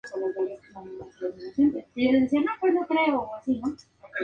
River Plate jamás perdió un partido contra Alumni.